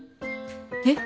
えっ？